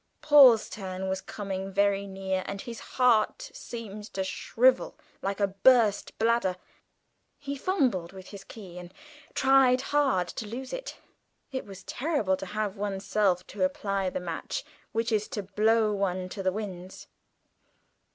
Paul's turn was coming very near, and his heart seemed to shrivel like a burst bladder. He fumbled with his key, and tried hard to lose it. It was terrible to have oneself to apply the match which is to blow one to the winds.